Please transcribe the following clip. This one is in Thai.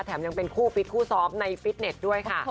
ยังเป็นคู่ฟิตคู่ซ้อมในฟิตเน็ตด้วยค่ะ